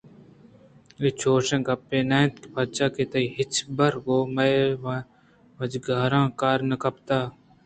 اے چوشیں گپّے نہ اِنت پرچا کہ تئی ہچبر گوں مئے واجکاراں کار نہ کپتگ